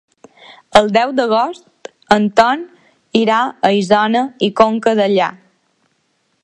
El deu d'agost en Ton irà a Isona i Conca Dellà.